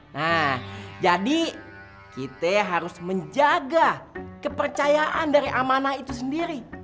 nah jadi kita harus menjaga kepercayaan dari amanah itu sendiri